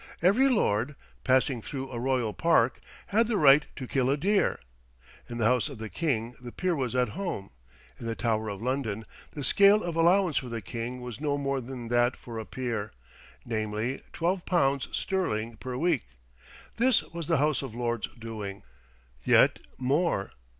Every lord, passing through a royal park, had the right to kill a deer: in the house of the king the peer was at home; in the Tower of London the scale of allowance for the king was no more than that for a peer namely, twelve pounds sterling per week. This was the House of Lords' doing. Yet more.